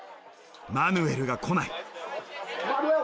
マヌエルが来ない。